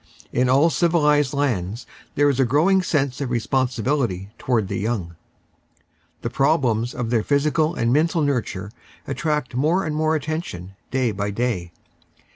In all civilised lands there is a growing sense of responsibility towards the young. The problems of their physical and mental nurture attract more and more attention day by day.